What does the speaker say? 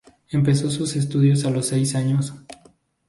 Empezó sus estudios a los seis años.